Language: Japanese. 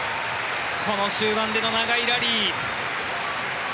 この終盤での長いラリー。